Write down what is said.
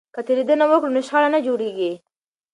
که تیریدنه وکړو نو شخړه نه جوړیږي.